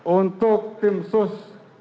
untuk tim sus